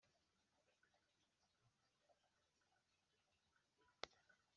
Ubuzima bwiza bw’imyororokere rero bugira uruhare ku mibereho myiza yabantu